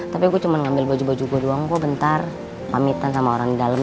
tapi gua cuma ngambil baju baju gua doang gua bentar pamitan sama orang di dalam